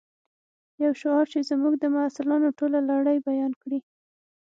یو شعار چې زموږ د محصولاتو ټوله لړۍ بیان کړي